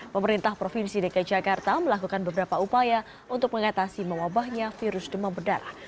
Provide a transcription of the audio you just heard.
pemerintah provinsi dki jakarta melakukan beberapa upaya untuk mengatasi mewabahnya virus demam berdarah